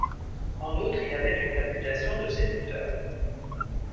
En outre, il avait une réputation de séducteur.